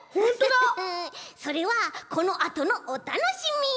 フフフフそれはこのあとのおたのしみ。